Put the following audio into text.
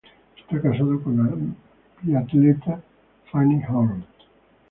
Está casado con la biatleta Fanny Horn.